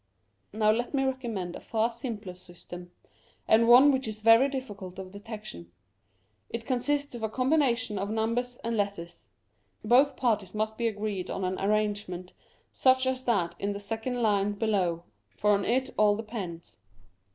Now let me recommend a far simpler system, and one which is very difficult of detection. It consists of a combination of numbers and letters. Both parties must be agreed on an arrangement such as that in the second line below, for on it all depends.